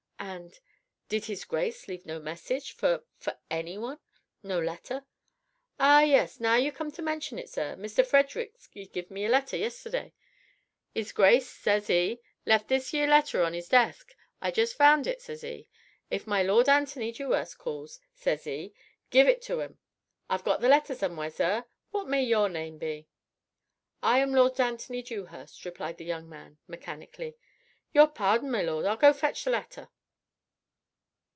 "And ... did His Grace leave no message ... for ... for anyone?... no letter?" "Ah, yes, now you come to mention it, zir. Mr. Frederick 'e give me a letter yesterday. ''Is Grace,' sez 'e, 'left this yere letter on 'is desk. I just found it,' sez 'e. 'If my lord Anthony Dew'urst calls,' sez 'e, 'give it to 'im.' I've got the letter zomewhere, zir. What may your name be?" "I am Lord Anthony Dewhurst," replied the young man mechanically. "Your pardon, my lord, I'll go fetch th' letter."